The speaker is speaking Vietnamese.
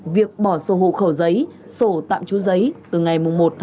việc bỏ sổ hộ khẩu giấy sổ tạm chú giấy từ ngày một một hai nghìn hai mươi ba